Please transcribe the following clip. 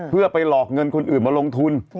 เพื่อไปหลอกเงินคนอื่นมาลงทุน